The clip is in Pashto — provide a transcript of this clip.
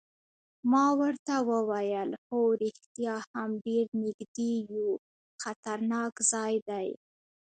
ما ورته وویل: هو رښتیا هم ډېر نږدې یو، خطرناک ځای دی.